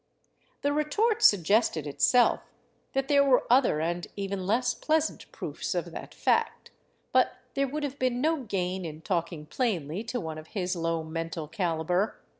The retort suggested itself that there were other and even less pleasant proofs of that fact, but there would have been no gain in talking plainly to one of his low mental caliber.